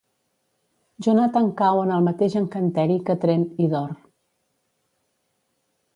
Jonathan cau en el mateix encanteri que Trent i Dor.